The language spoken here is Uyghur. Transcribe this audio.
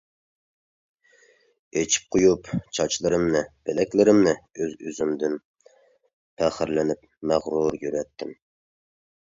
ئىچىپ قويۇپ چاچلىرىمنى، بىلەكلىرىمنى، ئۆز-ئۆزۈمدىن پەخىرلىنىپ مەغرۇر يۈرەتتىم.